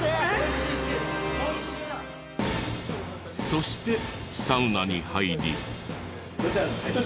そしてサウナに入り。